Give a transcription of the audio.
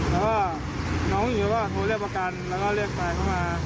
แล้วก็น้องผู้หญิงเขาก็โทรเรียกประกันแล้วก็เรียกแฟนเข้ามา